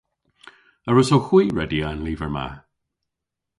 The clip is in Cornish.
A wrussowgh hwi redya an lyver ma?